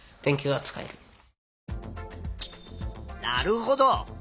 なるほど。